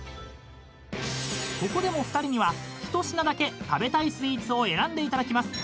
［ここでも２人には一品だけ食べたいスイーツを選んでいただきます］